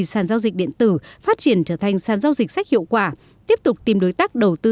sàn giao dịch điện tử phát triển trở thành sàn giao dịch sách hiệu quả tiếp tục tìm đối tác đầu tư